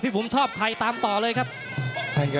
ในอีกก็มีขุนเข่าริมโค้งเลยครับเพชรบุญชูเอฟรีกรุ๊ป